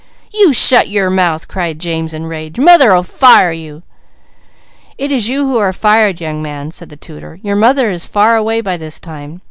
"You shut your mouth!" cried James in rage. "Mother'll fire you!" "It is you who are fired, young man," said the tutor. "Your mother is far away by this time.